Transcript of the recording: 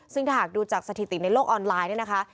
ซึ่งถ้าหากดูจากสถิติในโลกออนไลน์เนี่ยนะคะ